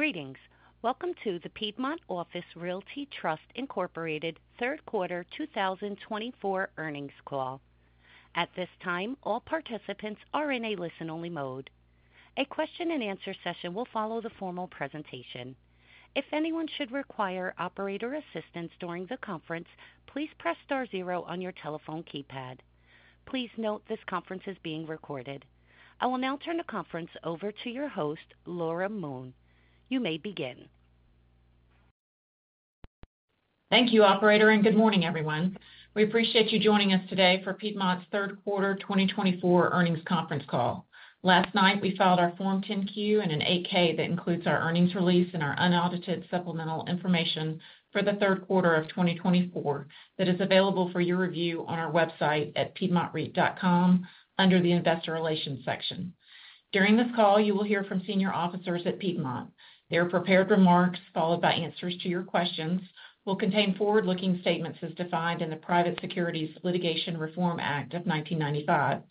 Greetings! Welcome to the Piedmont Office Realty Trust Incorporated Third Quarter Two Thousand Twenty-Four Earnings Call. At this time, all participants are in a listen-only mode. A question-and-answer session will follow the formal presentation. If anyone should require operator assistance during the conference, please press star zero on your telephone keypad. Please note, this conference is being recorded. I will now turn the conference over to your host, Laura Moon. You may begin. Thank you, operator, and good morning, everyone. We appreciate you joining us today for Piedmont's third quarter 2024 earnings conference call. Last night, we filed our Form 10-Q and an 8-K that includes our earnings release and our unaudited supplemental information for the third quarter of 2024, that is available for your review on our website at piedmontreit.com under the Investor Relations section. During this call, you will hear from senior officers at Piedmont. Their prepared remarks, followed by answers to your questions, will contain forward-looking statements as defined in the Private Securities Litigation Reform Act of 1995.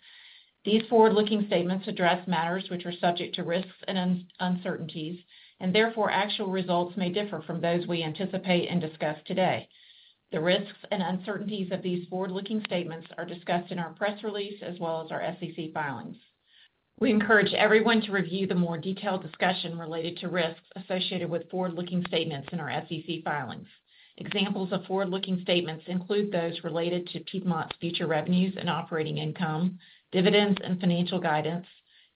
These forward-looking statements address matters which are subject to risks and uncertainties, and therefore actual results may differ from those we anticipate and discuss today. The risks and uncertainties of these forward-looking statements are discussed in our press release as well as our SEC filings. We encourage everyone to review the more detailed discussion related to risks associated with forward-looking statements in our SEC filings. Examples of forward-looking statements include those related to Piedmont's future revenues and operating income, dividends and financial guidance,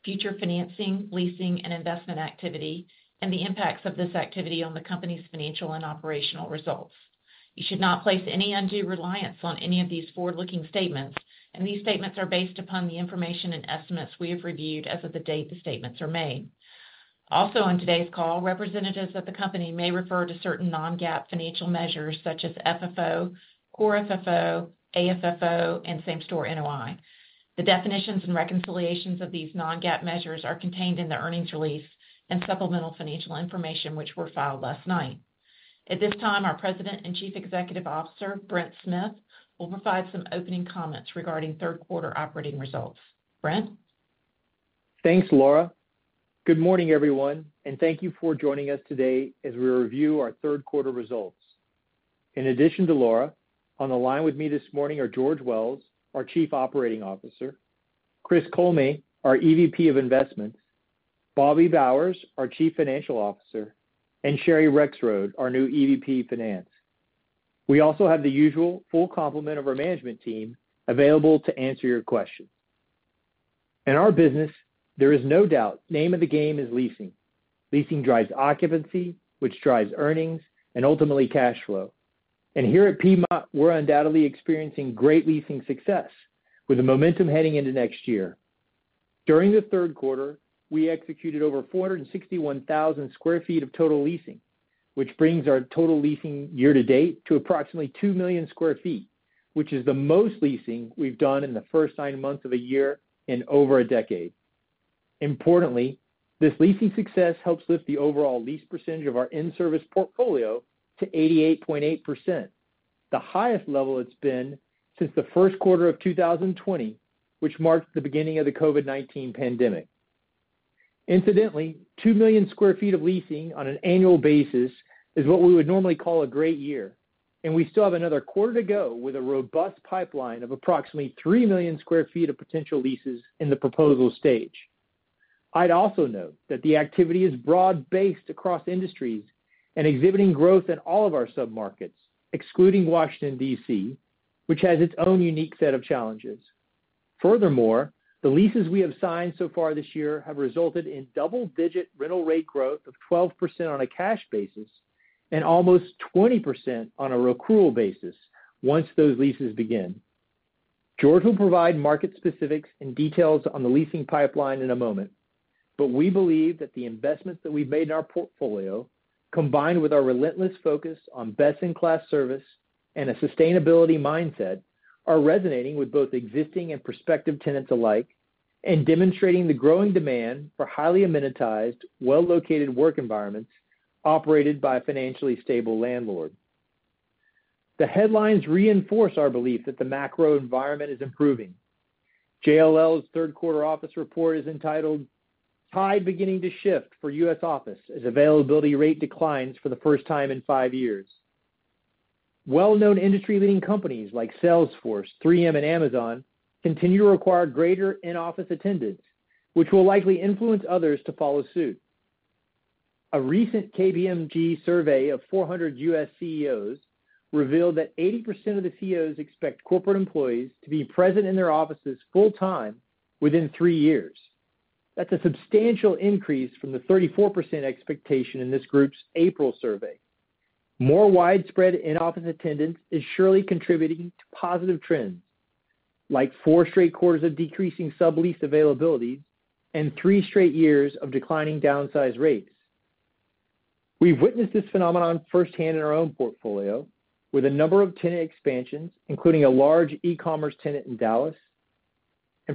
future financing, leasing, and investment activity, and the impacts of this activity on the company's financial and operational results. You should not place any undue reliance on any of these forward-looking statements, and these statements are based upon the information and estimates we have reviewed as of the date the statements are made. Also on today's call, representatives of the company may refer to certain non-GAAP financial measures such as FFO, core FFO, AFFO, and same-store NOI. The definitions and reconciliations of these non-GAAP measures are contained in the earnings release and supplemental financial information, which were filed last night. At this time, our President and Chief Executive Officer, Brent Smith, will provide some opening comments regarding third quarter operating results. Brent? Thanks, Laura. Good morning, everyone, and thank you for joining us today as we review our third quarter results. In addition to Laura, on the line with me this morning are George Wells, our Chief Operating Officer, Chris Kollme, our EVP of Investments, Bobby Bowers, our Chief Financial Officer, and Sherry Rexroad, our new EVP, Finance. We also have the usual full complement of our management team available to answer your questions. In our business, there is no doubt, name of the game is leasing. Leasing drives occupancy, which drives earnings and ultimately cash flow, and here at Piedmont, we're undoubtedly experiencing great leasing success, with the momentum heading into next year. During the third quarter, we executed over 461,000 sq ft of total leasing, which brings our total leasing year to date to approximately 2 million sq ft, which is the most leasing we've done in the first nine months of the year in over a decade. Importantly, this leasing success helps lift the overall lease percentage of our in-service portfolio to 88.8%, the highest level it's been since the first quarter of 2020, which marked the beginning of the COVID-19 pandemic. Incidentally, 2 million sq ft of leasing on an annual basis is what we would normally call a great year, and we still have another quarter to go with a robust pipeline of approximately 3 million sq ft of potential leases in the proposal stage. I'd also note that the activity is broad-based across industries and exhibiting growth in all of our submarkets, excluding Washington, D.C., which has its own unique set of challenges. Furthermore, the leases we have signed so far this year have resulted in double-digit rental rate growth of 12% on a cash basis and almost 20% on an accrual basis once those leases begin. George will provide market specifics and details on the leasing pipeline in a moment, but we believe that the investments that we've made in our portfolio, combined with our relentless focus on best-in-class service and a sustainability mindset, are resonating with both existing and prospective tenants alike, and demonstrating the growing demand for highly amenitized, well-located work environments operated by a financially stable landlord. The headlines reinforce our belief that the macro environment is improving. JLL's third quarter office report is entitled Tide Beginning to Shift for U.S. Office as Availability Rate Declines for the First Time in Five Years. Well-known industry-leading companies like Salesforce, 3M, and Amazon continue to require greater in-office attendance, which will likely influence others to follow suit. A recent KPMG survey of 400 U.S. CEOs revealed that 80% of the CEOs expect corporate employees to be present in their offices full-time within three years. That's a substantial increase from the 34% expectation in this group's April survey. More widespread in-office attendance is surely contributing to positive trends, like 4 straight quarters of decreasing sublease availability and 3 straight years of declining downsize rates. We've witnessed this phenomenon firsthand in our own portfolio, with a number of tenant expansions, including a large e-commerce tenant in Dallas.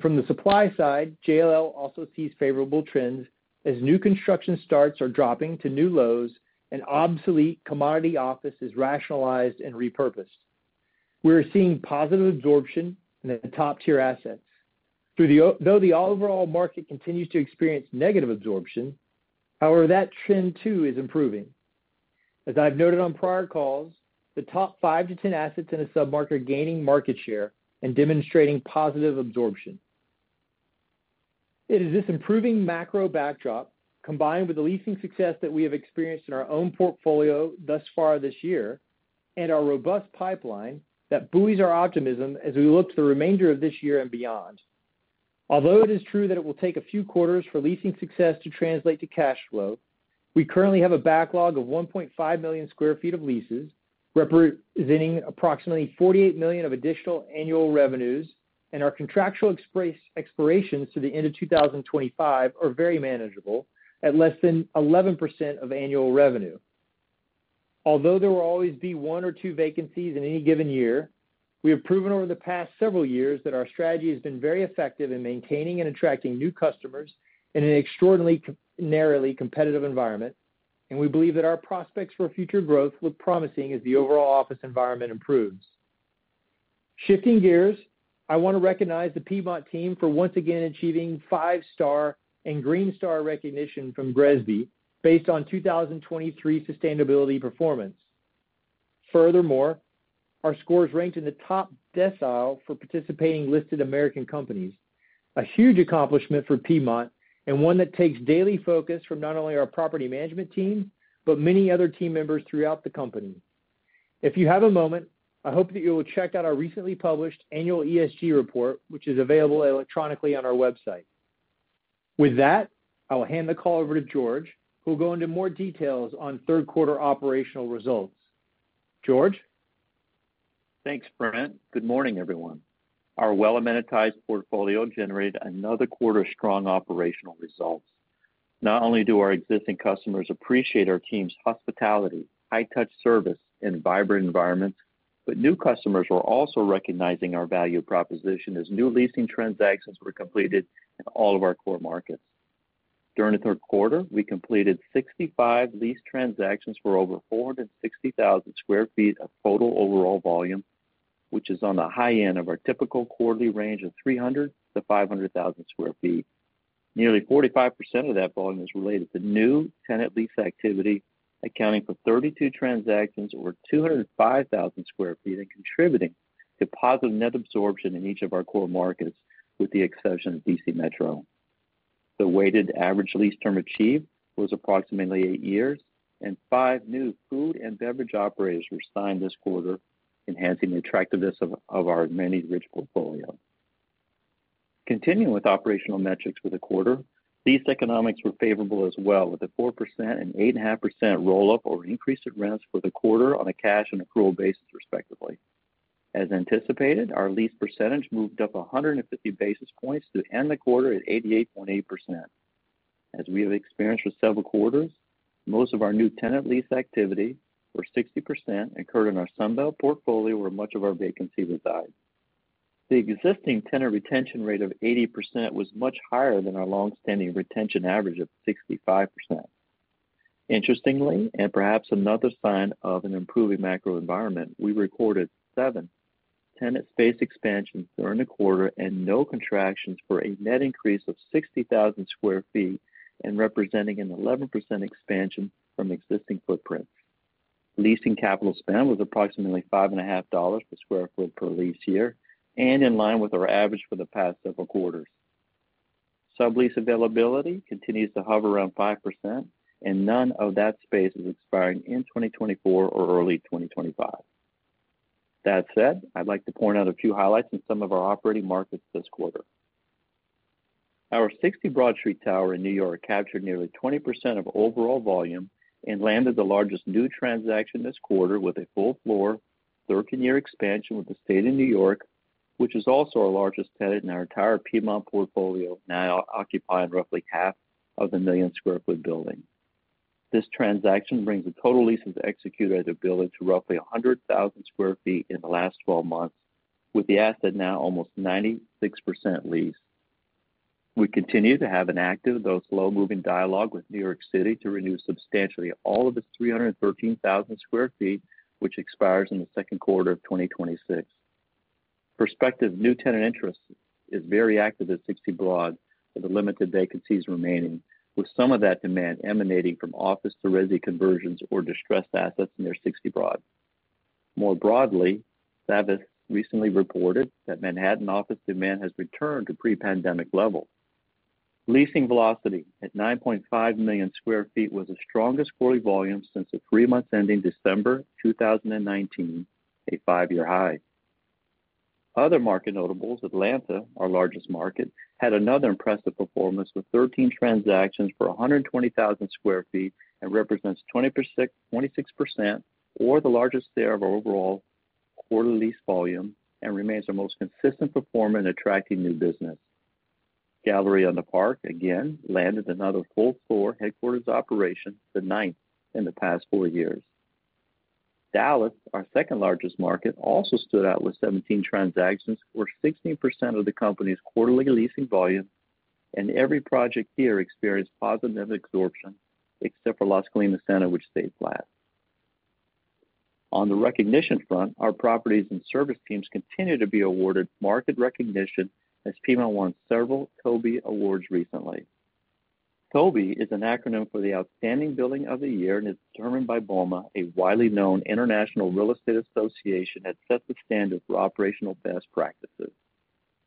From the supply side, JLL also sees favorable trends as new construction starts are dropping to new lows and obsolete commodity office is rationalized and repurposed. We are seeing positive absorption in the top tier assets. Though the overall market continues to experience negative absorption, however, that trend too is improving. As I've noted on prior calls, the top five to 10 assets in a submarket are gaining market share and demonstrating positive absorption. It is this improving macro backdrop, combined with the leasing success that we have experienced in our own portfolio thus far this year, and our robust pipeline, that buoys our optimism as we look to the remainder of this year and beyond. Although it is true that it will take a few quarters for leasing success to translate to cash flow, we currently have a backlog of 1.5 million sq ft of leases, representing approximately $48 million of additional annual revenues, and our contractual expirations through the end of 2025 are very manageable at less than 11% of annual revenue. Although there will always be one or two vacancies in any given year, we have proven over the past several years that our strategy has been very effective in maintaining and attracting new customers in an extraordinarily narrowly competitive environment, and we believe that our prospects for future growth look promising as the overall office environment improves. Shifting gears, I want to recognize the Piedmont team for once again achieving 5 Star and Green Star recognition from GRESB, based on 2023 sustainability performance. Furthermore, our scores ranked in the top decile for participating listed American companies, a huge accomplishment for Piedmont and one that takes daily focus from not only our property management team, but many other team members throughout the company. If you have a moment, I hope that you will check out our recently published annual ESG report, which is available electronically on our website. With that, I will hand the call over to George, who will go into more details on third quarter operational results. George? Thanks, Brent. Good morning, everyone. Our well-amenitized portfolio generated another quarter of strong operational results. Not only do our existing customers appreciate our team's hospitality, high touch service, and vibrant environments, but new customers are also recognizing our value proposition as new leasing transactions were completed in all of our core markets. During the third quarter, we completed 65 lease transactions for over 460,000 sq ft of total overall volume, which is on the high end of our typical quarterly range of 300,000-500,000 sq ft. Nearly 45% of that volume is related to new tenant lease activity, accounting for 32 transactions over 205,000 sq ft, and contributing to positive net absorption in each of our core markets, with the exception of DC Metro. The weighted average lease term achieved was approximately eight years, and five new food and beverage operators were signed this quarter, enhancing the attractiveness of our amenity-rich portfolio. Continuing with operational metrics for the quarter, lease economics were favorable as well, with a 4% and 8.5% roll-up or increase in rents for the quarter on a cash and accrual basis, respectively. As anticipated, our lease percentage moved up 150 basis points to end the quarter at 88.8%. As we have experienced for several quarters, most of our new tenant lease activity, or 60%, occurred in our Sunbelt portfolio, where much of our vacancy resides. The existing tenant retention rate of 80% was much higher than our long-standing retention average of 65%. Interestingly, and perhaps another sign of an improving macro environment, we recorded seven tenant space expansions during the quarter and no contractions for a net increase of 60,000 sq ft and representing an 11% expansion from existing footprints. Leasing capital spend was approximately $5.50 per sq ft per lease year and in line with our average for the past several quarters. Sublease availability continues to hover around 5%, and none of that space is expiring in 2024 or early 2025. That said, I'd like to point out a few highlights in some of our operating markets this quarter. Our 60 Broad Street tower in New York captured nearly 20% of overall volume and landed the largest new transaction this quarter with a full floor, 13-year expansion with the State of New York, which is also our largest tenant in our entire Piedmont portfolio, now occupying roughly half of the 1 million sq ft building. This transaction brings the total leases executed at the building to roughly 100,000 sq ft in the last twelve months, with the asset now almost 96% leased. We continue to have an active, though slow-moving dialogue with New York City to renew substantially all of its 313,000 sq ft, which expires in the second quarter of 2026. Prospective new tenant interest is very active at 60 Broad, with the limited vacancies remaining, with some of that demand emanating from office to resi conversions or distressed assets near 60 Broad. More broadly, Savills recently reported that Manhattan office demand has returned to pre-pandemic level. Leasing velocity at 9.5 million sq ft was the strongest quarterly volume since the three months ending December 2019, a five-year high. Other market notables, Atlanta, our largest market, had another impressive performance with 13 transactions for 120,000 sq ft and represents 26%, or the largest share of our overall quarterly lease volume, and remains our most consistent performer in attracting new business. Galleria on the Park, again, landed another full floor headquarters operation, the ninth in the past four years. Dallas, our second largest market, also stood out with 17 transactions, or 16% of the company's quarterly leasing volume, and every project here experienced positive net absorption, except for Las Colinas Center, which stayed flat. On the recognition front, our properties and service teams continue to be awarded market recognition, as Piedmont won several TOBY Awards recently. TOBY is an acronym for the Outstanding Building of the Year, and it's determined by BOMA, a widely known international real estate association that sets the standard for operational best practices.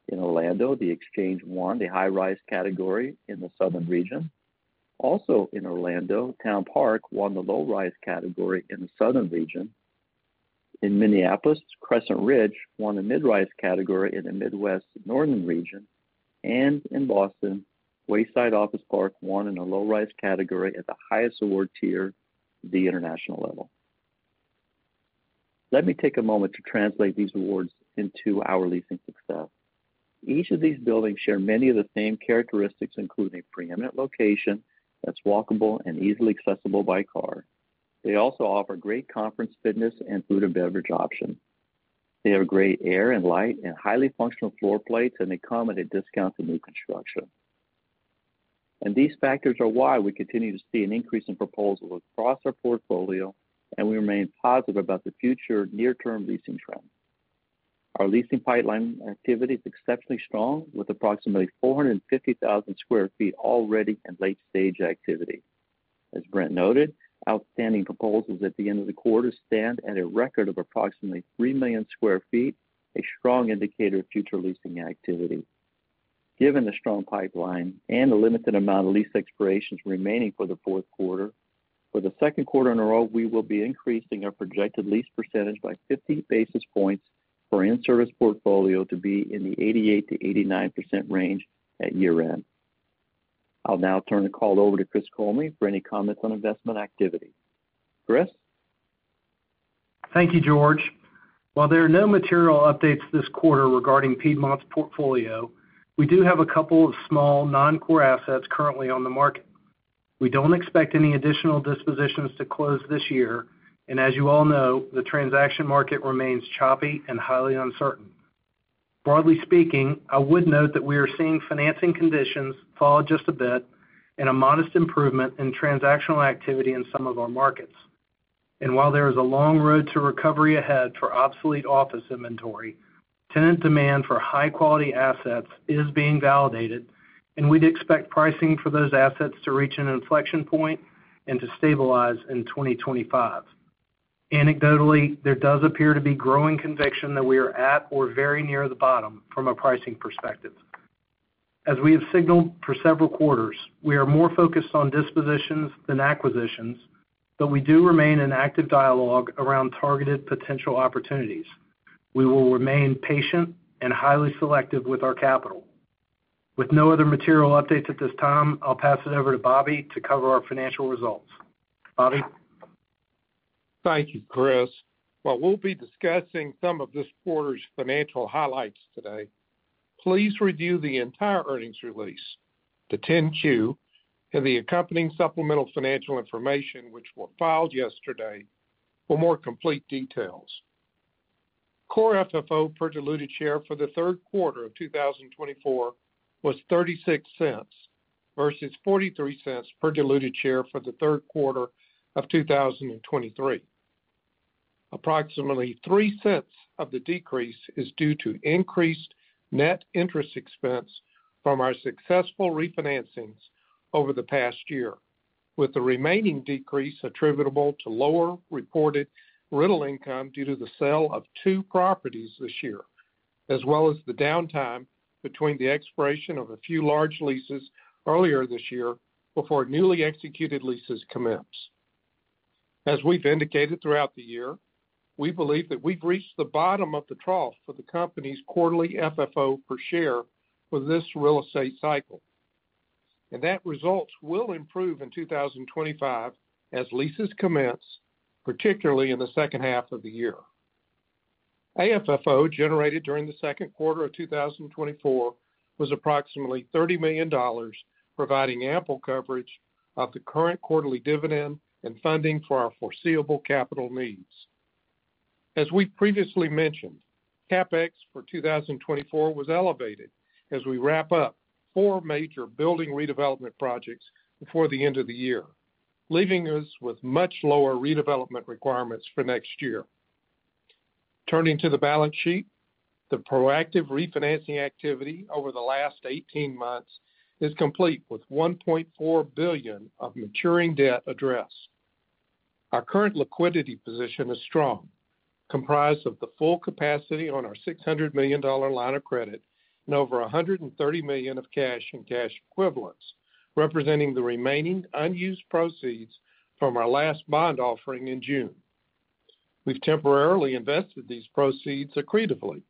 In Orlando, The Exchange won the high-rise category in the Southern region. Also in Orlando, TownPark won the low-rise category in the Southern region. In Minneapolis, Crescent Ridge won the mid-rise category in the Midwest Northern region, and in Boston, Wayside Office Park won in the low-rise category at the highest award tier, the international level. Let me take a moment to translate these awards into our leasing success. Each of these buildings share many of the same characteristics, including preeminent location that's walkable and easily accessible by car. They also offer great conference, fitness, and food and beverage options. They have great air and light and highly functional floor plates, and they come at a discount to new construction. And these factors are why we continue to see an increase in proposals across our portfolio, and we remain positive about the future near-term leasing trends. Our leasing pipeline activity is exceptionally strong, with approximately 450,000 sq ft already in late-stage activity. As Brent noted, outstanding proposals at the end of the quarter stand at a record of approximately 3 million sq ft, a strong indicator of future leasing activity. Given the strong pipeline and the limited amount of lease expirations remaining for the fourth quarter, for the second quarter in a row, we will be increasing our projected lease percentage by 50 basis points for in-service portfolio to be in the 88%-89% range at year-end. I'll now turn the call over to Chris Kollme for any comments on investment activity. Chris? Thank you, George. While there are no material updates this quarter regarding Piedmont's portfolio, we do have a couple of small non-core assets currently on the market. We don't expect any additional dispositions to close this year, and as you all know, the transaction market remains choppy and highly uncertain. Broadly speaking, I would note that we are seeing financing conditions fall just a bit and a modest improvement in transactional activity in some of our markets. And while there is a long road to recovery ahead for obsolete office inventory, tenant demand for high-quality assets is being validated, and we'd expect pricing for those assets to reach an inflection point and to stabilize in twenty twenty-five. Anecdotally, there does appear to be growing conviction that we are at or very near the bottom from a pricing perspective. As we have signaled for several quarters, we are more focused on dispositions than acquisitions, but we do remain in active dialogue around targeted potential opportunities. We will remain patient and highly selective with our capital. With no other material updates at this time, I'll pass it over to Bobby to cover our financial results. Bobby? Thank you, Chris. While we'll be discussing some of this quarter's financial highlights today, please review the entire earnings release, the 10-Q, and the accompanying supplemental financial information, which were filed yesterday, for more complete details. Core FFO per diluted share for the third quarter of two thousand and twenty-four was $0.36, versus $0.43 per diluted share for the third quarter of two thousand and twenty-three. Approximately $0.03 of the decrease is due to increased net interest expense from our successful refinancings over the past year, with the remaining decrease attributable to lower reported rental income due to the sale of two properties this year, as well as the downtime between the expiration of a few large leases earlier this year before newly executed leases commence. As we've indicated throughout the year, we believe that we've reached the bottom of the trough for the company's quarterly FFO per share for this real estate cycle, and that results will improve in two thousand and twenty-five as leases commence, particularly in the second half of the year. AFFO, generated during the second quarter of two thousand and twenty-four, was approximately $30 million, providing ample coverage of the current quarterly dividend and funding for our foreseeable capital needs. As we previously mentioned, CapEx for two thousand and twenty-four was elevated as we wrap up four major building redevelopment projects before the end of the year, leaving us with much lower redevelopment requirements for next year. Turning to the balance sheet, the proactive refinancing activity over the last eighteen months is complete, with $1.4 billion of maturing debt addressed. Our current liquidity position is strong, comprised of the full capacity on our $600 million line of credit and over $130 million of cash and cash equivalents, representing the remaining unused proceeds from our last bond offering in June. We've temporarily invested these proceeds accretively,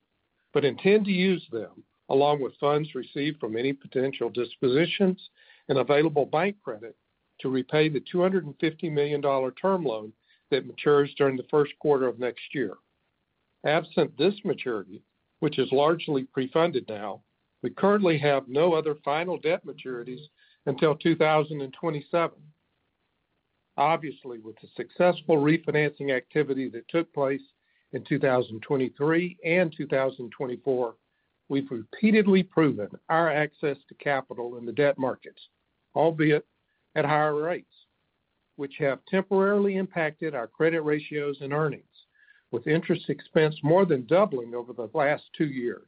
but intend to use them, along with funds received from any potential dispositions and available bank credit, to repay the $250 million term loan that matures during the first quarter of next year. Absent this maturity, which is largely pre-funded now, we currently have no other final debt maturities until 2027. Obviously, with the successful refinancing activity that took place in 2023 and 2024, we've repeatedly proven our access to capital in the debt markets, albeit at higher rates, which have temporarily impacted our credit ratios and earnings, with interest expense more than doubling over the last two years.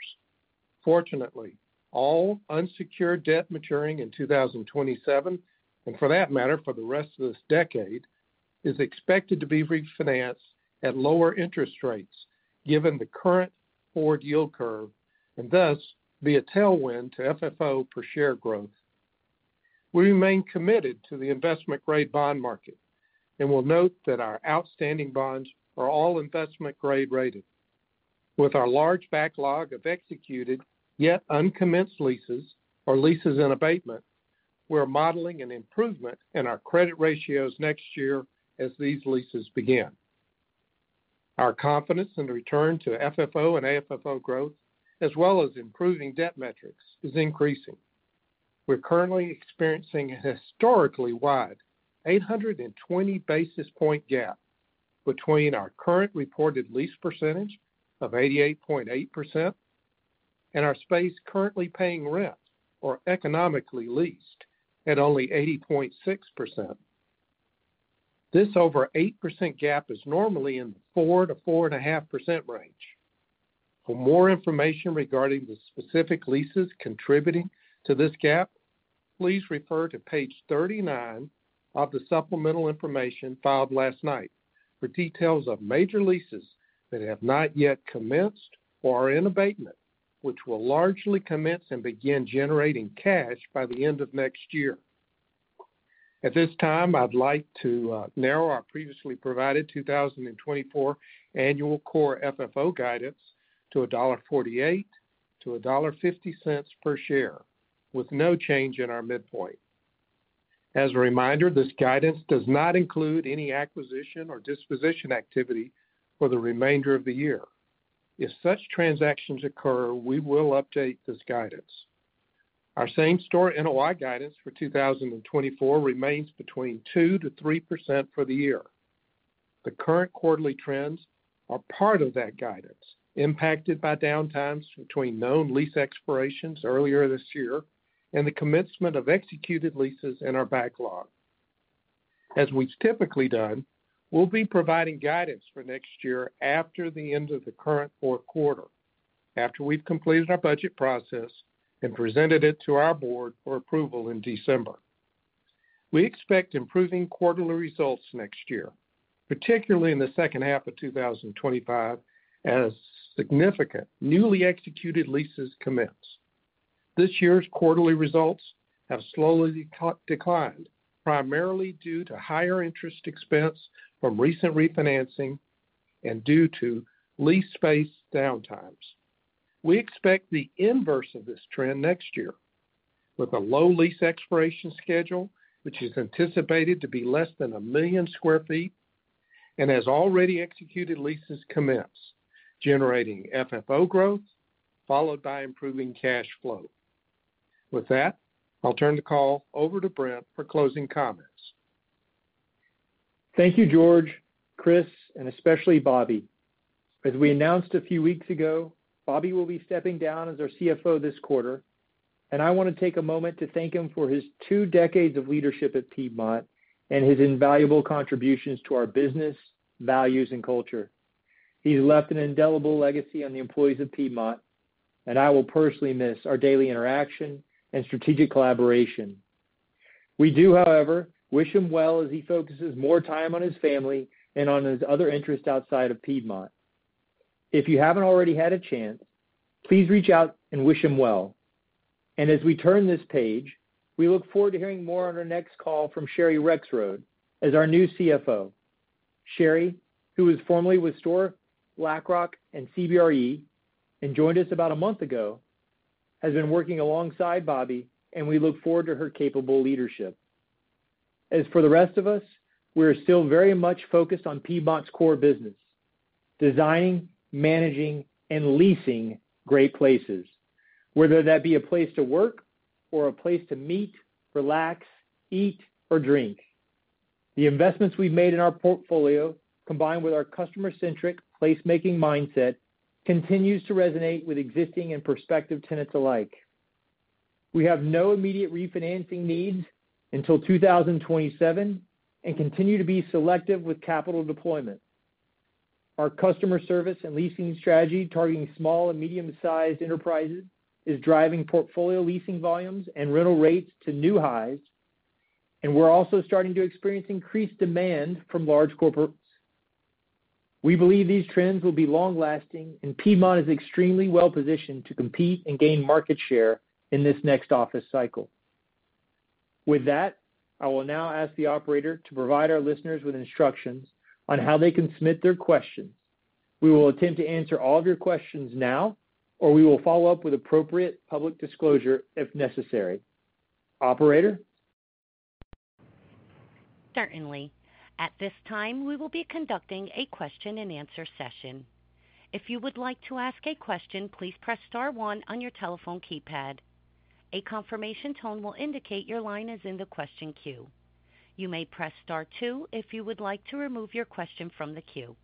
Fortunately, all unsecured debt maturing in 2027, and for that matter, for the rest of this decade, is expected to be refinanced at lower interest rates, given the current forward yield curve, and thus, be a tailwind to FFO per share growth. We remain committed to the investment-grade bond market, and we'll note that our outstanding bonds are all investment-grade rated. With our large backlog of executed, yet uncommenced leases or leases in abatement, we're modeling an improvement in our credit ratios next year as these leases begin. Our confidence in the return to FFO and AFFO growth, as well as improving debt metrics, is increasing. We're currently experiencing a historically wide 820 basis point gap between our current reported lease percentage of 88.8% and our space currently paying rent or economically leased at only 80.6%. This over 8% gap is normally in the 4% to 4.5% range. For more information regarding the specific leases contributing to this gap, please refer to page 39 of the supplemental information filed last night for details of major leases that have not yet commenced or are in abatement, which will largely commence and begin generating cash by the end of next year. At this time, I'd like to narrow our previously provided two thousand and twenty-four annual Core FFO guidance to $1.48-$1.50 per share, with no change in our midpoint. As a reminder, this guidance does not include any acquisition or disposition activity for the remainder of the year. If such transactions occur, we will update this guidance. Our same-store NOI guidance for two thousand and twenty-four remains between 2%-3% for the year. The current quarterly trends are part of that guidance, impacted by downtimes between known lease expirations earlier this year and the commencement of executed leases in our backlog. As we've typically done, we'll be providing guidance for next year after the end of the current fourth quarter, after we've completed our budget process and presented it to our board for approval in December. We expect improving quarterly results next year, particularly in the second half of 2025, as significant newly executed leases commence. This year's quarterly results have slowly declined, primarily due to higher interest expense from recent refinancing and due to lease space downtimes. We expect the inverse of this trend next year with a low lease expiration schedule, which is anticipated to be less than 1 million sq ft and as already executed leases commence, generating FFO growth followed by improving cash flow. With that, I'll turn the call over to Brent for closing comments. Thank you, George, Chris, and especially Bobby. As we announced a few weeks ago, Bobby will be stepping down as our CFO this quarter, and I want to take a moment to thank him for his two decades of leadership at Piedmont and his invaluable contributions to our business, values, and culture. He's left an indelible legacy on the employees of Piedmont, and I will personally miss our daily interaction and strategic collaboration. We do, however, wish him well as he focuses more time on his family and on his other interests outside of Piedmont. If you haven't already had a chance, please reach out and wish him well. And as we turn this page, we look forward to hearing more on our next call from Sherry Rexroad as our new CFO. Sherry, who is formerly with STORE, BlackRock, and CBRE, and joined us about a month ago, has been working alongside Bobby, and we look forward to her capable leadership. As for the rest of us, we're still very much focused on Piedmont's core business: designing, managing, and leasing great places, whether that be a place to work or a place to meet, relax, eat, or drink. The investments we've made in our portfolio, combined with our customer-centric placemaking mindset, continues to resonate with existing and prospective tenants alike. We have no immediate refinancing needs until 2027 and continue to be selective with capital deployment. Our customer service and leasing strategy, targeting small and medium-sized enterprises, is driving portfolio leasing volumes and rental rates to new highs, and we're also starting to experience increased demand from large corporates. We believe these trends will be long-lasting, and Piedmont is extremely well-positioned to compete and gain market share in this next office cycle. With that, I will now ask the operator to provide our listeners with instructions on how they can submit their questions. We will attempt to answer all of your questions now, or we will follow up with appropriate public disclosure, if necessary. Operator? Certainly. At this time, we will be conducting a question-and-answer session.... If you would like to ask a question, please press star one on your telephone keypad. A confirmation tone will indicate your line is in the question queue. You may press star two if you would like to remove your question from the queue.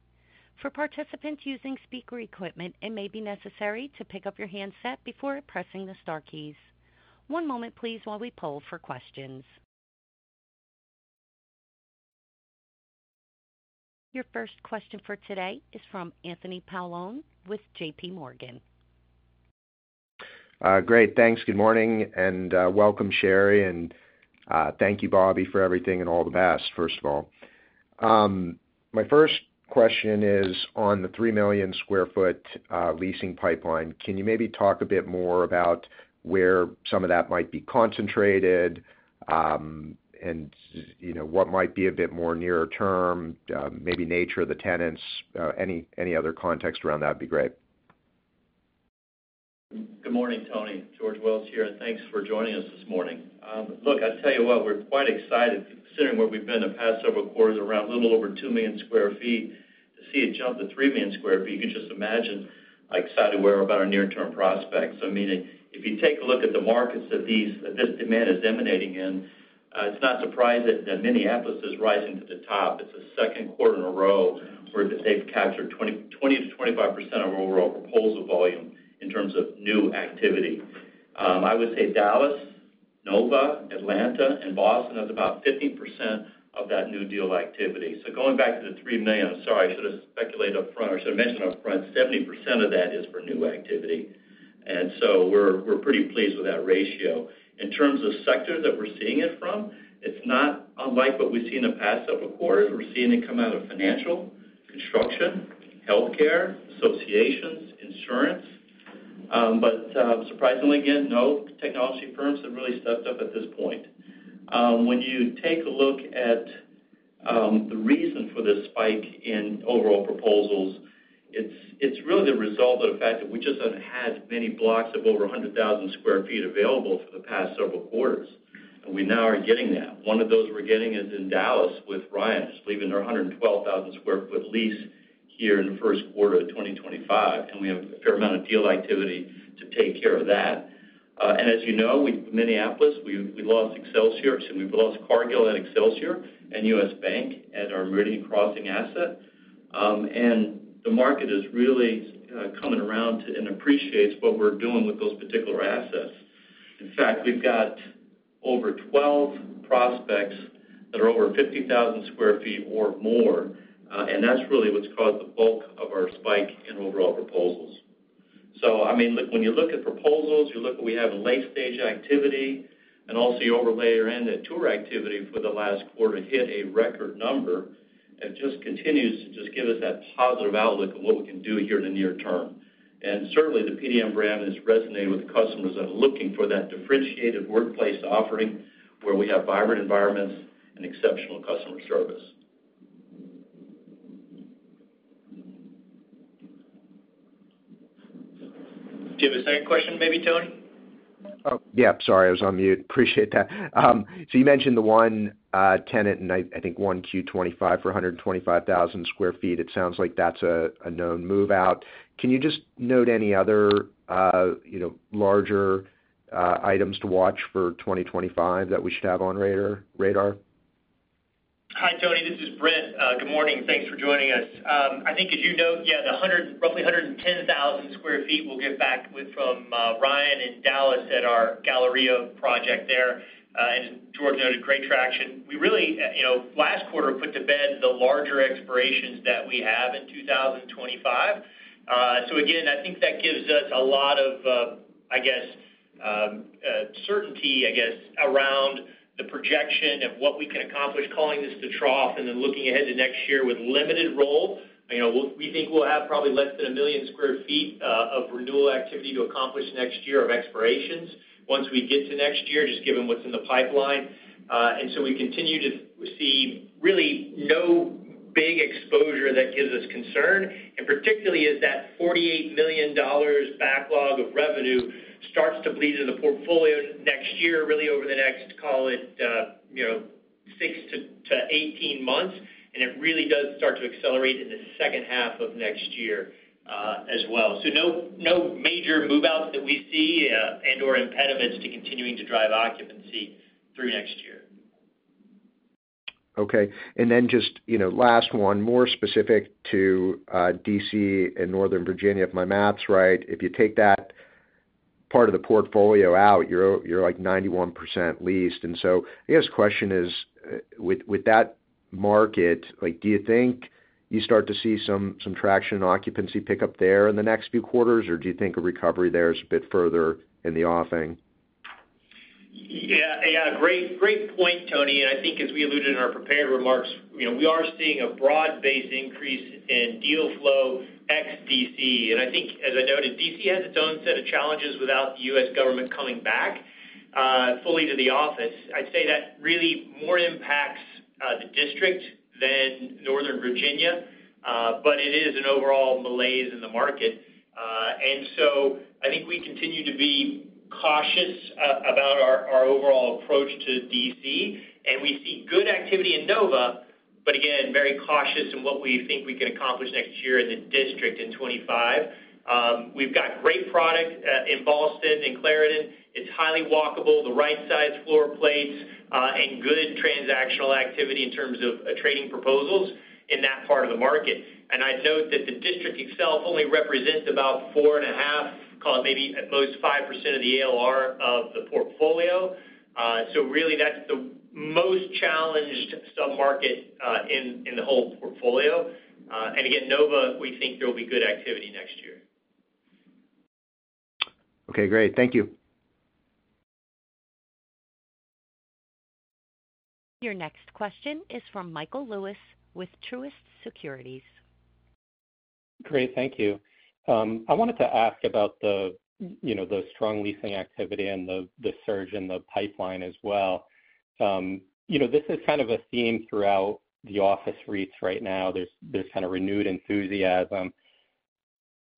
For participants using speaker equipment, it may be necessary to pick up your handset before pressing the star keys. One moment please, while we poll for questions. Your first question for today is from Anthony Paolone with JPMorgan. Great, thanks. Good morning, and welcome, Sherry, and thank you, Bobby, for everything and all the best, first of all. My first question is on the 3 million sq ft leasing pipeline. Can you maybe talk a bit more about where some of that might be concentrated, and, you know, what might be a bit more nearer term, maybe nature of the tenants? Any other context around that'd be great. Good morning, Tony. George Wells here, and thanks for joining us this morning. Look, I'll tell you what, we're quite excited considering where we've been the past several quarters, around a little over 2 million sq ft. To see it jump to 3 million sq ft, you can just imagine how excited we are about our near-term prospects. I mean, if you take a look at the markets that this demand is emanating in, it's not surprising that Minneapolis is rising to the top. It's the second quarter in a row where they've captured 20%-25% of our overall proposal volume in terms of new activity. I would say Dallas, Nova, Atlanta, and Boston, has about 50% of that new deal activity. So going back to the three million, I'm sorry, I should have speculated up front, or I should have mentioned up front, 70% of that is for new activity. And so we're pretty pleased with that ratio. In terms of sectors that we're seeing it from, it's not unlike what we've seen in the past several quarters. We're seeing it come out of financial, construction, healthcare, associations, insurance. But surprisingly, again, no technology firms have really stepped up at this point. When you take a look at the reason for this spike in overall proposals, it's really the result of the fact that we just haven't had many blocks of over 100,000 sq ft available for the past several quarters, and we now are getting that. One of those we're getting is in Dallas with Ryan, just leaving their hundred and twelve thousand sq ft lease here in the first quarter of twenty twenty-five, and we have a fair amount of deal activity to take care of that. And as you know, Minneapolis, we lost Excelsior, excuse me, we've lost Cargill and Excelsior and U.S. Bank at our Meridian Crossings asset. And the market is really coming around to and appreciates what we're doing with those particular assets. In fact, we've got over twelve prospects that are over fifty thousand sq ft or more, and that's really what's caused the bulk of our spike in overall proposals. So, I mean, look, when you look at proposals, you look, we have a late-stage activity and also you overlay our end at tour activity for the last quarter, hit a record number, and just continues to just give us that positive outlook of what we can do here in the near term, and certainly, the PDM brand has resonated with the customers that are looking for that differentiated workplace offering, where we have vibrant environments and exceptional customer service. Do you have a second question, maybe, Tony? Oh, yeah, sorry, I was on mute. Appreciate that. So you mentioned the one tenant, and I think 1Q 2025 for 125,000 sq ft. It sounds like that's a known move-out. Can you just note any other, you know, larger items to watch for 2025 that we should have on radar? Hi, Tony, this is Brent. Good morning. Thanks for joining us. I think as you note, yeah, the roughly 110,000 sq ft we'll get back with from Ryan in Dallas at our Galleria project there. And George noted, great traction. We really, you know, last quarter, put to bed the larger expirations that we have in 2025. So again, I think that gives us a lot of, I guess, certainty, I guess, around the projection of what we can accomplish, calling this the trough and then looking ahead to next year with limited roll. You know, we think we'll have probably less than 1 million sq ft of renewal activity to accomplish next year of expirations once we get to next year, just given what's in the pipeline. And so we continue to see really no big exposure that gives us concern, and particularly as that $48 million backlog of revenue starts to bleed into the portfolio next year, really over the next, call it, you know, six to eighteen months, and it really does start to accelerate in the second half of next year, as well. So no, no major move-outs that we see, and/or impediments to continuing to drive occupancy through next year. Okay. And then just, you know, last one, more specific to D.C. and Northern Virginia, if my map's right. If you take that part of the portfolio out, you're like 91% leased. And so I guess the question is, with that market, like, do you think you start to see some traction and occupancy pick up there in the next few quarters, or do you think a recovery there is a bit further in the offing? Yeah, yeah, great, great point, Tony. And I think as we alluded in our prepared remarks, you know, we are seeing a broad-based increase in deal flow ex DC. And I think, as I noted, DC has its own set of challenges without the U.S. government coming back, fully to the office. I'd say that really more impacts, the district than Northern Virginia, but it is an overall malaise in the market.... and so I think we continue to be cautious about our overall approach to DC, and we see good activity in Nova, but again, very cautious in what we think we can accomplish next year in the district in 2025. We've got great product in Ballston and Clarendon. It's highly walkable, the right size floor plates, and good transactional activity in terms of trading proposals in that part of the market. And I'd note that the district itself only represents about 4.5, call it maybe at most 5% of the ALR of the portfolio. So really, that's the most challenged sub-market in the whole portfolio. And again, Nova, we think there'll be good activity next year. Okay, great. Thank you. Your next question is from Michael Lewis with Truist Securities. Great, thank you. I wanted to ask about the, you know, the strong leasing activity and the surge in the pipeline as well. You know, this is kind of a theme throughout the office REITs right now. There's kind of renewed enthusiasm.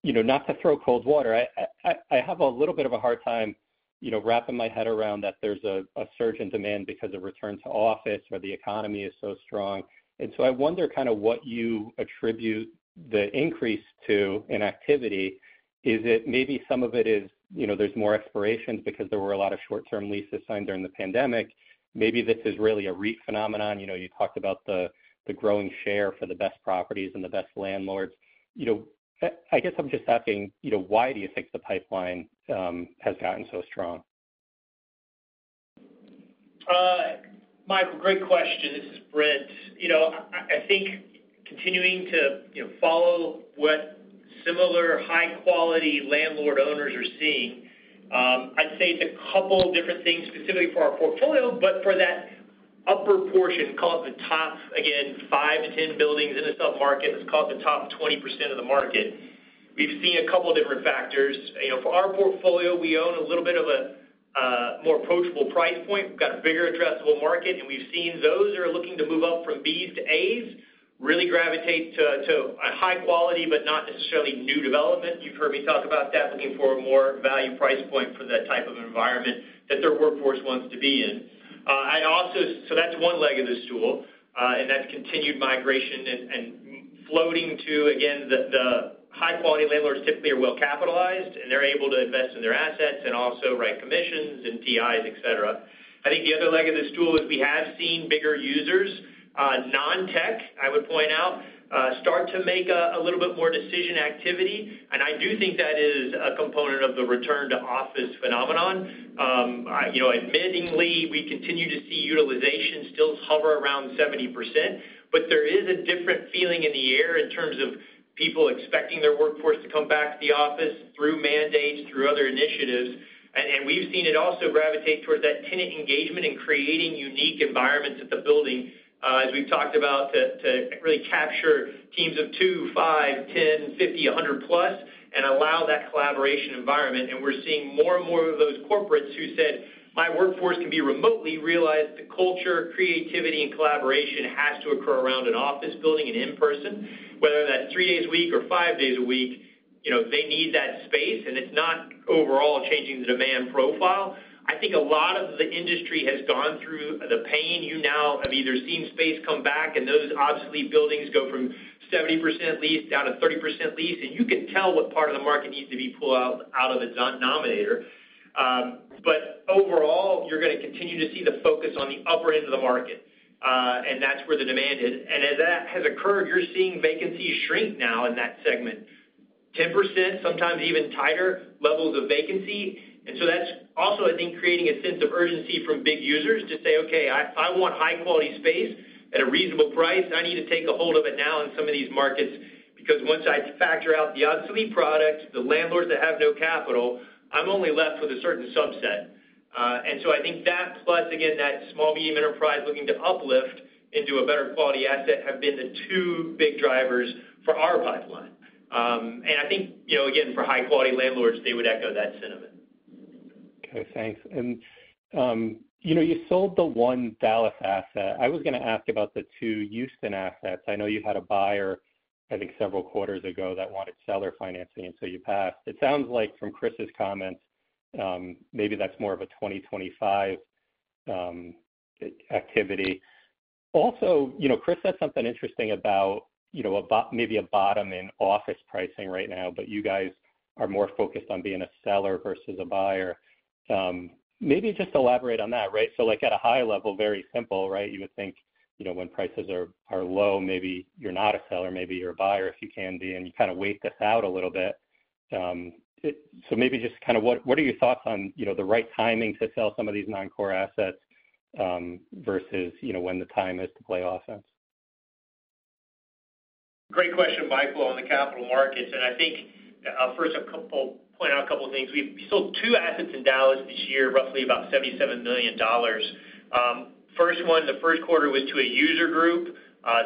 You know, not to throw cold water, I have a little bit of a hard time, you know, wrapping my head around that there's a surge in demand because of return to office or the economy is so strong. And so I wonder kind of what you attribute the increase to in activity. Is it maybe some of it is, you know, there's more expirations because there were a lot of short-term leases signed during the pandemic? Maybe this is really a REIT phenomenon. You know, you talked about the growing share for the best properties and the best landlords. You know, I guess I'm just asking, you know, why do you think the pipeline has gotten so strong? Michael, great question. This is Brent. You know, I think continuing to, you know, follow what similar high-quality landlord owners are seeing, I'd say it's a couple different things, specifically for our portfolio, but for that upper portion, call it the top, again, 5 to 10 buildings in the sub-market, let's call it the top 20% of the market. We've seen a couple different things. You know, for our portfolio, we own a little bit of a more approachable price point. We've got a bigger addressable market, and we've seen those that are looking to move up from Bs to As, really gravitate to a high quality, but not necessarily new development. You've heard me talk about that, looking for a more value price point for that type of environment that their workforce wants to be in. I also. So that's one leg of the stool, and that's continued migration and floating to, again, the high-quality landlords typically are well-capitalized, and they're able to invest in their assets and also write commissions and TIs, et cetera. I think the other leg of this stool is we have seen bigger users, non-tech, I would point out, start to make a little bit more decision activity, and I do think that is a component of the return to office phenomenon. You know, admittedly, we continue to see utilization still hover around 70%, but there is a different feeling in the air in terms of people expecting their workforce to come back to the office through mandates, through other initiatives. And we've seen it also gravitate towards that tenant engagement and creating unique environments at the building, as we've talked about, to really capture teams of two, five, ten, fifty, a hundred plus, and allow that collaboration environment. And we're seeing more and more of those corporates who said, "My workforce can be remotely realized. The culture, creativity, and collaboration has to occur around an office building and in person," whether that's three days a week or five days a week, you know, they need that space, and it's not overall changing the demand profile. I think a lot of the industry has gone through the pain. You now have either seen space come back and those obsolete buildings go from 70% leased down to 30% leased, and you can tell what part of the market needs to be pulled out of the denominator, but overall, you're gonna continue to see the focus on the upper end of the market, and that's where the demand is. As that has occurred, you're seeing vacancies shrink now in that segment, 10%, sometimes even tighter levels of vacancy, and that's also, I think, creating a sense of urgency from big users to say, "Okay, I want high-quality space at a reasonable price. I need to take a hold of it now in some of these markets, because once I factor out the obsolete product, the landlords that have no capital, I'm only left with a certain subset. And so I think that, plus again, that small medium enterprise looking to uplift into a better quality asset, have been the two big drivers for our pipeline. And I think, you know, again, for high-quality landlords, they would echo that sentiment. Okay, thanks. And, you know, you sold the one Dallas asset. I was gonna ask about the two Houston assets. I know you had a buyer, I think, several quarters ago that wanted seller financing, and so you passed. It sounds like from Chris's comments, maybe that's more of a twenty twenty-five activity. Also, you know, Chris said something interesting about, you know, a bottom in office pricing right now, but you guys are more focused on being a seller versus a buyer. Maybe just elaborate on that, right? So, like, at a high level, very simple, right? You would think, you know, when prices are low, maybe you're not a seller, maybe you're a buyer if you can be, and you kind of wait this out a little bit. So maybe just kind of what are your thoughts on, you know, the right timing to sell some of these non-core assets, versus, you know, when the time is to play offense? Great question, Michael, on the capital markets, and I think, first, point out a couple of things. We've sold two assets in Dallas this year, roughly $77 million. First one, the first quarter was to a user group.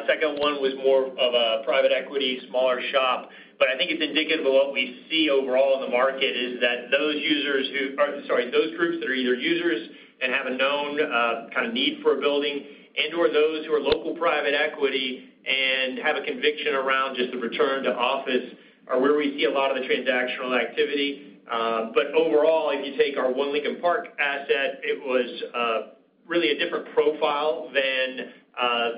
Second one was more of a private equity, smaller shop. But I think it's indicative of what we see overall in the market, is that those users who, or sorry, those groups that are either users and have a known, kind of need for a building, and/or those who are local private equity and have a conviction around just the return to office, are where we see a lot of the transactional activity. But overall, if you take our One Lincoln Park asset, it was really a different profile than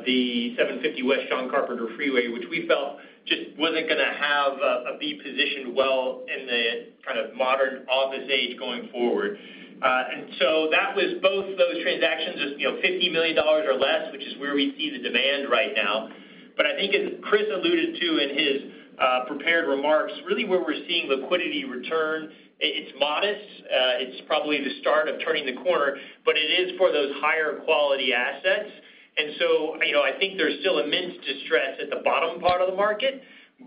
the 750 West John Carpenter Freeway, which we felt just wasn't gonna have or be positioned well in the kind of modern office age going forward. And so that was both those transactions, as you know, $50 million or less, which is where we see the demand right now. But I think as Chris alluded to in his prepared remarks, really where we're seeing liquidity return, it's modest. It's probably the start of turning the corner, but it is for those higher quality assets. And so, you know, I think there's still immense distress at the bottom part of the market,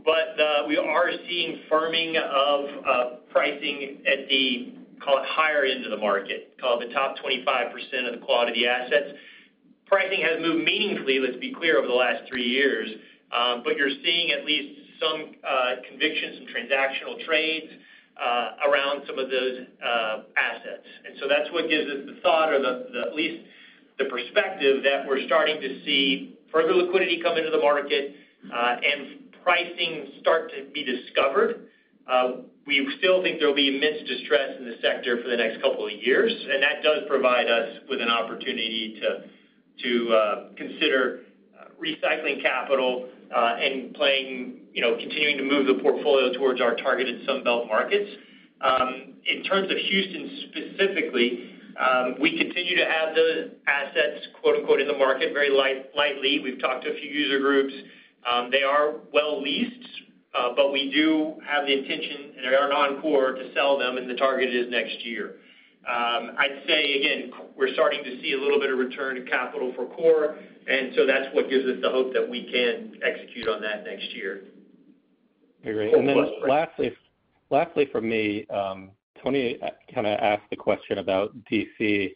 but we are seeing firming of pricing at the, call it, higher end of the market, call it the top 25% of the quality assets. Pricing has moved meaningfully, let's be clear, over the last three years. But you're seeing at least some conviction, some transactional trades around some of those assets. And so that's what gives us the thought or the, the at least the perspective that we're starting to see further liquidity come into the market, and pricing start to be discovered. We still think there'll be immense distress in the sector for the next couple of years, and that does provide us with an opportunity to consider recycling capital and playing, you know, continuing to move the portfolio towards our targeted Sun Belt markets. In terms of Houston specifically, we continue to have those assets, quote, unquote, “in the market,” very lightly. We've talked to a few user groups. They are well leased, but we do have the intention and are on course to sell them, and the target is next year. I'd say again, we're starting to see a little bit of return of capital for core, and so that's what gives us the hope that we can execute on that next year. Great. And then lastly, for me, Tony, kind of asked the question about DC,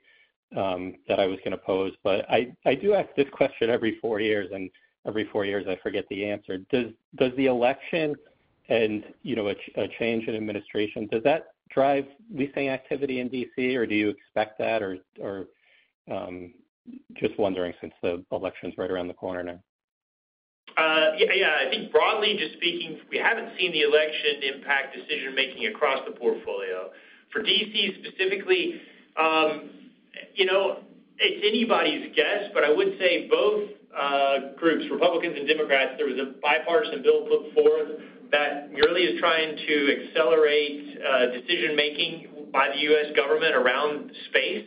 that I was gonna pose, but I do ask this question every four years, and every four years, I forget the answer. Does the election and, you know, a change in administration, does that drive leasing activity in DC, or do you expect that, or just wondering since the election's right around the corner now? Yeah, yeah, I think broadly just speaking, we haven't seen the election impact decision-making across the portfolio. For DC specifically, you know, it's anybody's guess, but I would say both groups, Republicans and Democrats, there was a bipartisan bill put forth that really is trying to accelerate decision-making by the U.S. government around space.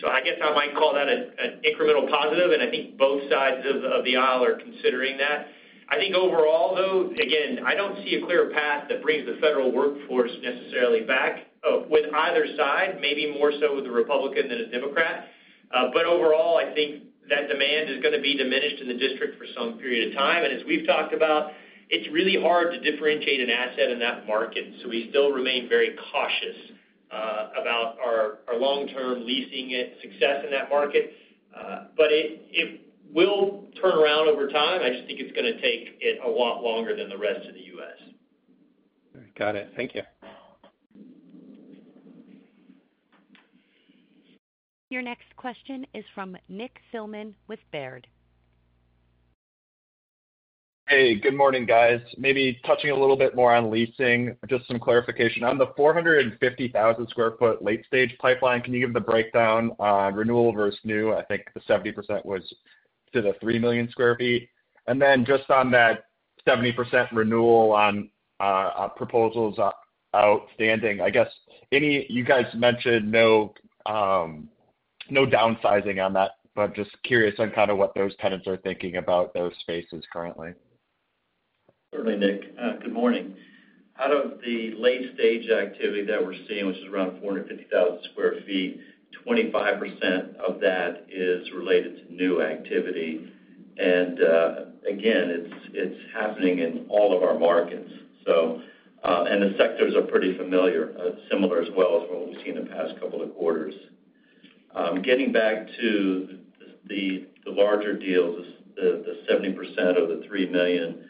So I guess I might call that an incremental positive, and I think both sides of the aisle are considering that. I think overall, though, again, I don't see a clear path that brings the federal workforce necessarily back with either side, maybe more so with the Republican than a Democrat. But overall, I think that demand is gonna be diminished in the district for some period of time, and as we've talked about, it's really hard to differentiate an asset in that market. So we still remain very cautious about our long-term leasing success in that market. But it will turn around over time. I just think it's gonna take it a lot longer than the rest of the U.S. Got it. Thank you. Your next question is from Nick Thillman with Baird. Hey, good morning, guys. Maybe touching a little bit more on leasing, just some clarification. On the 450,000 sq ft late stage pipeline, can you give the breakdown on renewal versus new? I think the 70% was to the 3 million sq ft. And then just on that 70% renewal on proposals outstanding, I guess. You guys mentioned no downsizing on that, but just curious on kind of what those tenants are thinking about those spaces currently. Certainly, Nick, good morning. Out of the late-stage activity that we're seeing, which is around 450,000 sq ft, 25% of that is related to new activity. And, again, it's happening in all of our markets. So, and the sectors are pretty familiar, similar as well as what we've seen in the past couple of quarters. Getting back to the larger deals, the 70% of the 3 million,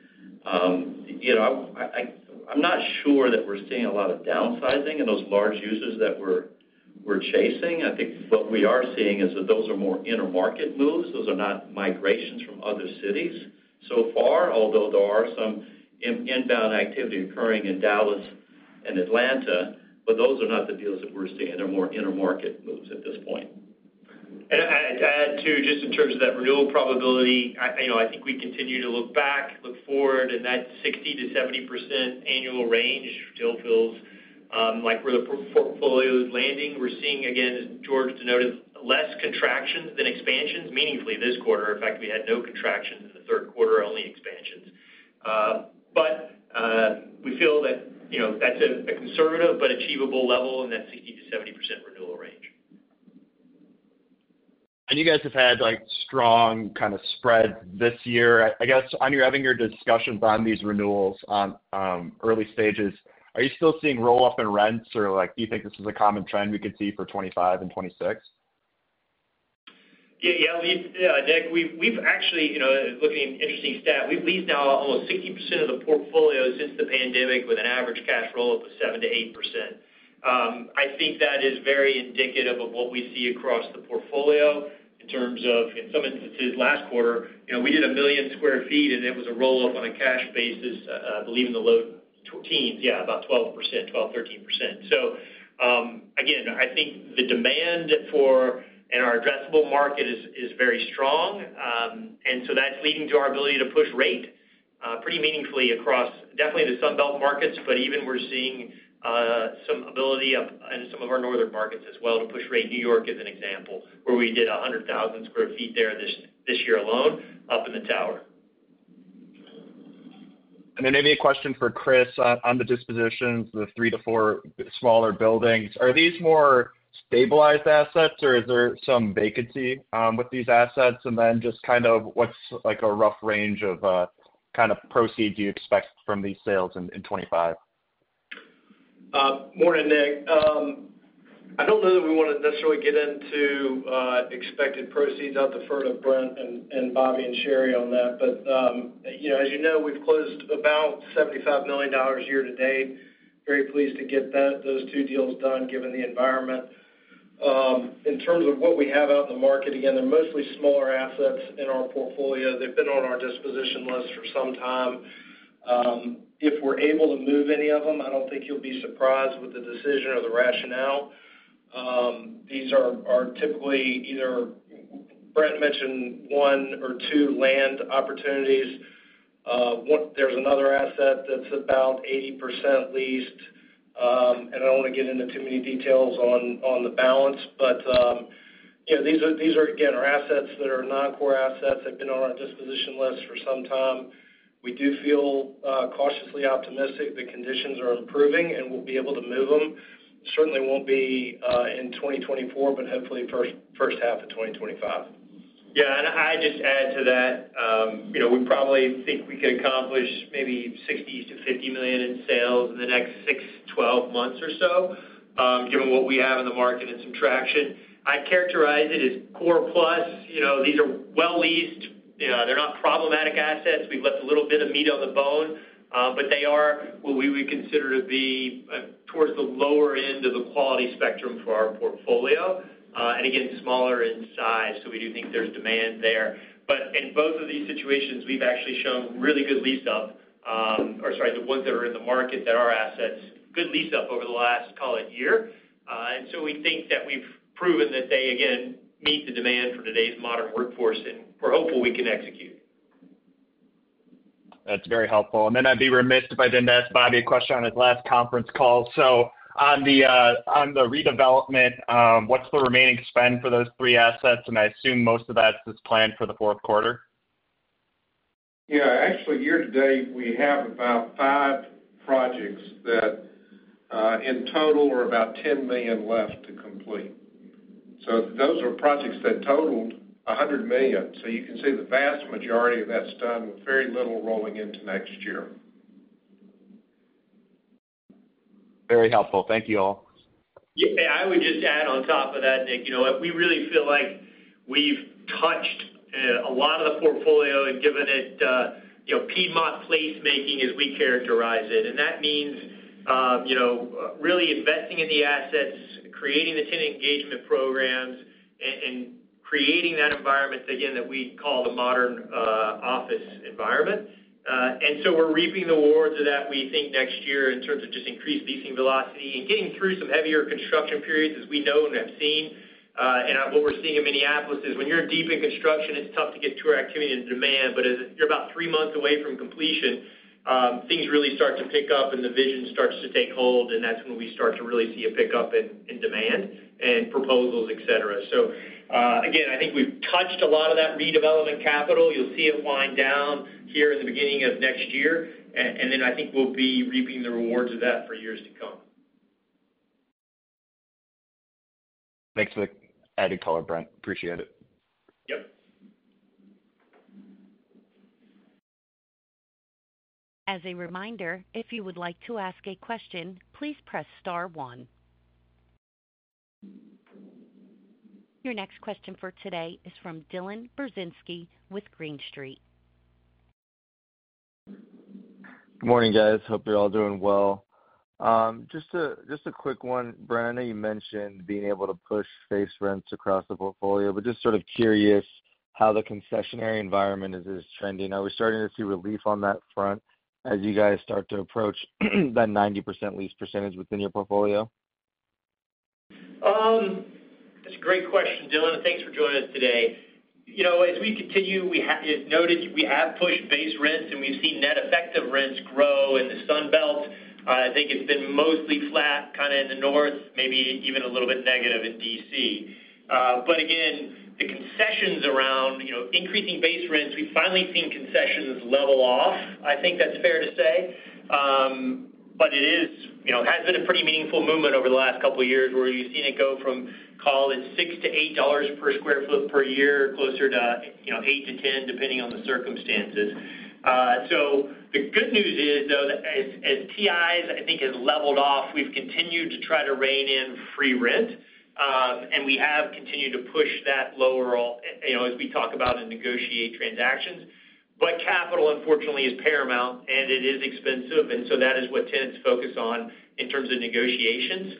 you know, I'm not sure that we're seeing a lot of downsizing in those large users that we're chasing. I think what we are seeing is that those are more in-market moves. Those are not migrations from other cities so far, although there are some inbound activity occurring in Dallas and Atlanta, but those are not the deals that we're seeing. They're more in-market moves at this point. And I'd add, too, just in terms of that renewal probability, I, you know, I think we continue to look back, look forward, and that 60%-70% annual range still feels like where the portfolio is landing. We're seeing, again, as George denoted, less contractions than expansions meaningfully this quarter. In fact, we had no contractions in the third quarter, only expansions. But we feel that, you know, that's a conservative but achievable level in that 60%-70% renewal range. You guys have had, like, strong kind of spreads this year. I guess, on your having your discussions on these renewals in early stages, are you still seeing roll-up in rents, or like, do you think this is a common trend we could see for 2025 and 2026?... Yeah, yeah, we, Nick, we've actually, you know, looking at an interesting stat. We've leased now almost 60% of the portfolio since the pandemic with an average cash roll up of 7% to 8%. I think that is very indicative of what we see across the portfolio in terms of, in some instances, last quarter, you know, we did 1 million sq ft, and it was a roll-up on a cash basis, I believe, in the low teens. Yeah, about 12%, 12%-13%. So, again, I think the demand for, in our addressable market is very strong. And so that's leading to our ability to push rate, pretty meaningfully across, definitely the Sun Belt markets, but even we're seeing, some ability up in some of our northern markets as well to push rate. New York is an example, where we did 100,000 sq ft there this year alone, up in the tower. Then maybe a question for Chris on the dispositions, the three to four smaller buildings. Are these more stabilized assets, or is there some vacancy with these assets? Then just kind of what's like a rough range of kind of proceeds you expect from these sales in 2025? Morning, Nick. I don't know that we want to necessarily get into expected proceeds. I'll defer to Brent and Bobby and Sherry on that. But, you know, as you know, we've closed about $75 million year to date. Very pleased to get that, those two deals done, given the environment. In terms of what we have out in the market, again, they're mostly smaller assets in our portfolio. They've been on our disposition list for some time. If we're able to move any of them, I don't think you'll be surprised with the decision or the rationale. These are typically either, Brent mentioned one or two land opportunities. One, there's another asset that's about 80% leased, and I don't want to get into too many details on the balance. But, you know, these are again assets that are non-core assets, have been on our disposition list for some time. We do feel cautiously optimistic the conditions are improving, and we'll be able to move them. Certainly won't be in 2024, but hopefully first half of 2025. Yeah, and I'd just add to that, you know, we probably think we could accomplish maybe $60 million-$50 million in sales in the next 6-12 months or so, given what we have in the market and some traction. I'd characterize it as core plus. You know, these are well leased, you know, they're not problematic assets. We've left a little bit of meat on the bone, but they are what we would consider to be towards the lower end of the quality spectrum for our portfolio. And again, smaller in size, so we do think there's demand there. But in both of these situations, we've actually shown really good lease up, or sorry, the ones that are in the market that are assets, good lease up over the last, call it, year. And so we think that we've proven that they, again, meet the demand for today's modern workforce, and we're hopeful we can execute. That's very helpful. And then I'd be remiss if I didn't ask Bobby a question on his last conference call. So on the redevelopment, what's the remaining spend for those three assets? And I assume most of that is planned for the fourth quarter. Yeah. Actually, year to date, we have about five projects that, in total, are about $10 million left to complete. So those are projects that totaled $100 million. So you can see the vast majority of that's done with very little rolling into next year. Very helpful. Thank you, all. Yeah, I would just add on top of that, Nick, you know what? We really feel like we've touched a lot of the portfolio and given it, you know, Piedmont placemaking, as we characterize it. And that means, you know, really investing in the assets, creating the tenant engagement programs, and creating that environment, again, that we call the modern office environment. And so we're reaping the rewards of that, we think, next year in terms of just increased leasing velocity and getting through some heavier construction periods, as we know and have seen. And what we're seeing in Minneapolis is when you're deep in construction, it's tough to get tour activity and demand, but as you're about three months away from completion, things really start to pick up, and the vision starts to take hold, and that's when we start to really see a pickup in demand and proposals, et cetera. So, again, I think we've touched a lot of that redevelopment capital. You'll see it wind down here in the beginning of next year, and then I think we'll be reaping the rewards of that for years to come. Thanks for the added color, Brent. Appreciate it. Yep. As a reminder, if you would like to ask a question, please press star one. Your next question for today is from Dylan Burzinski with Green Street. Good morning, guys. Hope you're all doing well. Just a quick one. Brent, I know you mentioned being able to push space rents across the portfolio, but just sort of curious how the concessionary environment is trending. Are we starting to see relief on that front as you guys start to approach that 90% lease percentage within your portfolio? That's a great question, Dylan. Thanks for joining us today. You know, as we continue, we have, as noted, we have pushed base rents, and we've seen net effective rents grow in the Sun Belt. I think it's been mostly flat, kind of in the north, maybe even a little bit negative in DC. But again, the concessions around, you know, increasing base rents, we've finally seen concessions level off. I think that's fair to say. But it is, you know, has been a pretty meaningful movement over the last couple of years, where you've seen it go from, call it, $6-$8 per sq ft per year, closer to, you know, $8-$10, depending on the circumstances. So the good news is, though, that as TIs, I think, have leveled off, we've continued to try to rein in free rent, and we have continued to push that lower all, you know, as we talk about and negotiate transactions. But capital, unfortunately, is paramount, and it is expensive, and so that is what tenants focus on in terms of negotiations.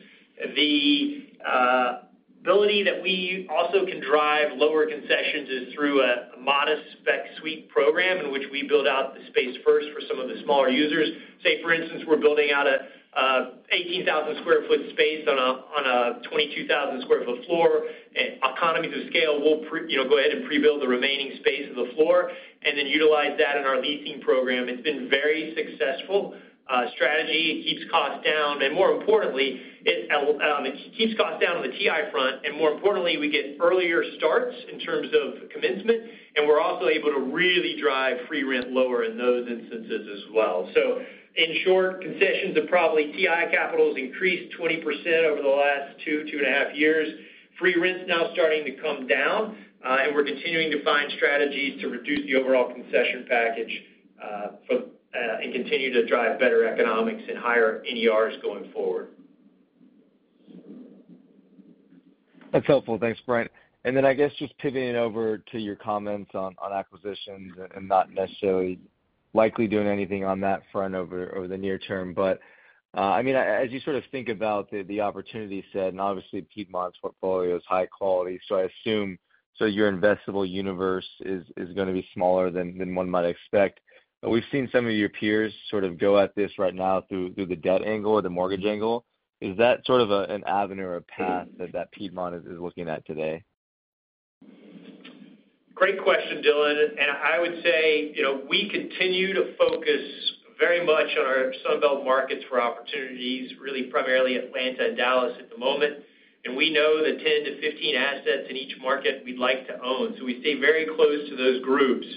The ability that we also can drive lower concessions is through a modest spec suite program, in which we build out the space first for some of the smaller users. Say, for instance, we're building out an 18,000 sq ft space on a 22,000 sq ft floor, and economies of scale will pre-build the remaining space of the floor and then utilize that in our leasing program. It's been very successful strategy. It keeps costs down, and more importantly, it keeps costs down on the TI front, and more importantly, we get earlier starts in terms of commencement, and we're also able to really drive free rent lower in those instances as well. So in short, concessions are probably, TI capital's increased 20% over the last two and a half years. Free rent's now starting to come down, and we're continuing to find strategies to reduce the overall concession package, and continue to drive better economics and higher NERs going forward. That's helpful. Thanks, Brent, and then, I guess, just pivoting it over to your comments on acquisitions and not necessarily likely doing anything on that front over the near term, but I mean, as you sort of think about the opportunity set, and obviously, Piedmont's portfolio is high quality, so I assume your investable universe is gonna be smaller than one might expect, but we've seen some of your peers sort of go at this right now through the debt angle or the mortgage angle. Is that sort of an avenue or a path that Piedmont is looking at today? Great question, Dylan, and I would say, you know, we continue to focus very much on our Sunbelt markets for opportunities, really primarily Atlanta and Dallas at the moment. We know the 10 to 15 assets in each market we'd like to own, so we stay very close to those groups.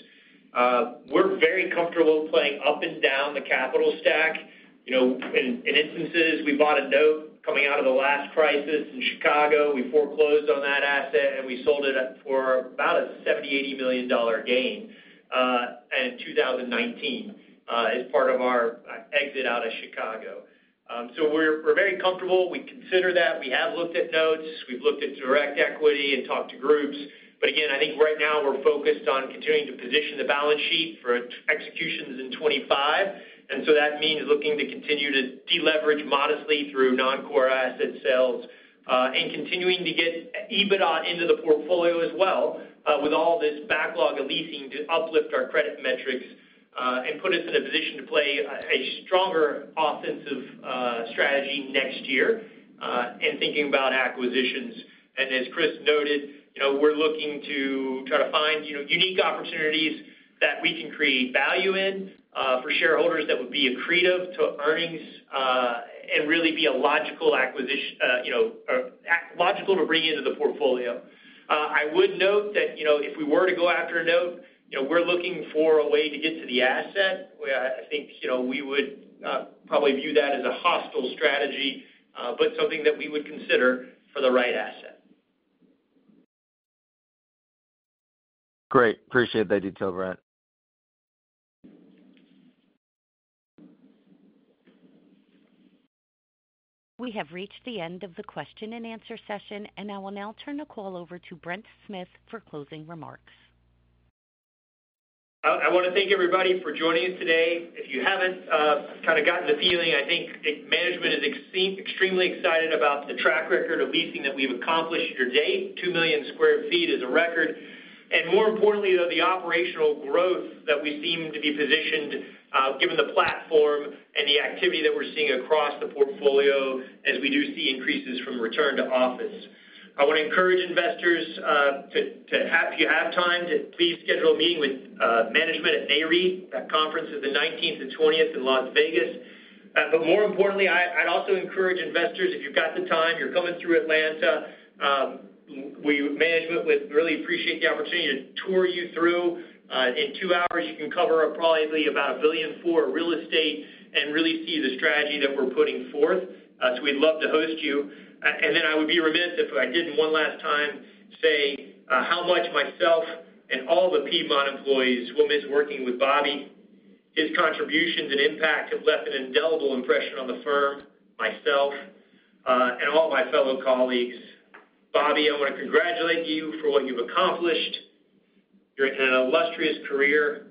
We're very comfortable playing up and down the capital stack. You know, in instances, we bought a note coming out of the last crisis in Chicago. We foreclosed on that asset, and we sold it at, for about a $70-$80 million gain, in 2019, as part of our exit out of Chicago. So we're very comfortable. We consider that. We have looked at notes. We've looked at direct equity and talked to groups. But again, I think right now we're focused on continuing to position the balance sheet for executions in 2025, and so that means looking to continue to deleverage modestly through non-core asset sales, and continuing to get EBITDA into the portfolio as well, with all this backlog of leasing to uplift our credit metrics, and put us in a position to play a stronger offensive strategy next year, in thinking about acquisitions. And as Chris noted, you know, we're looking to try to find, you know, unique opportunities that we can create value in, for shareholders that would be accretive to earnings, and really be a logical acquisition, you know, logical to bring into the portfolio. I would note that, you know, if we were to go after a note, you know, we're looking for a way to get to the asset, where I think, you know, we would probably view that as a hostile strategy, but something that we would consider for the right asset. Great. Appreciate that detail, Brent. We have reached the end of the question and answer session, and I will now turn the call over to Brent Smith for closing remarks. I wanna thank everybody for joining us today. If you haven't kind of gotten the feeling, I think management is extremely excited about the track record of leasing that we've accomplished year to date. Two million sq ft is a record, and more importantly, though, the operational growth that we seem to be positioned given the platform and the activity that we're seeing across the portfolio as we do see increases from return to office. I want to encourage investors to if you have time to please schedule a meeting with management at NAREIT. That conference is the nineteenth and twentieth in Las Vegas. But more importantly, I'd also encourage investors, if you've got the time, you're coming through Atlanta, management would really appreciate the opportunity to tour you through. In two hours, you can cover up probably about $1.4 billion of real estate and really see the strategy that we're putting forth. So we'd love to host you. And then I would be remiss if I didn't one last time say how much myself and all the Piedmont employees will miss working with Bobby. His contributions and impact have left an indelible impression on the firm, myself, and all my fellow colleagues. Bobby, I want to congratulate you for what you've accomplished during an illustrious career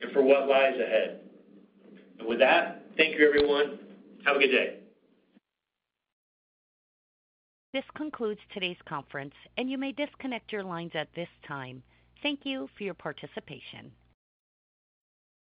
and for what lies ahead. And with that, thank you, everyone. Have a good day. This concludes today's conference, and you may disconnect your lines at this time. Thank you for your participation.